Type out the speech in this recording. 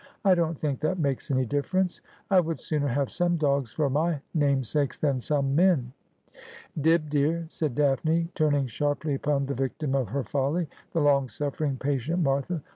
I don't think that makes any difference. I would sooner have some dogs for my namesakes than some men.' ' Dibb, dear,' said Daphne, turning sharply upon the victim of her folly, the long sufEering, patient Martha.